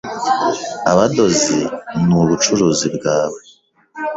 abadozi ni ubucuruzi bwawe. ”